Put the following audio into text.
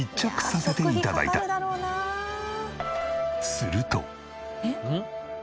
すると。